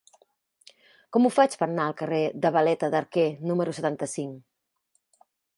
Com ho faig per anar al carrer de Valeta d'Arquer número setanta-cinc?